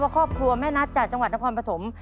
ครอบครัวแม่นัทจากจังหวัดนครปฐม